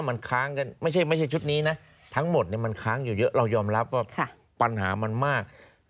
มันค้างกันไม่ใช่ชุดนี้นะทั้งหมดมันค้างอยู่เยอะเรายอมรับว่าปัญหามันมาก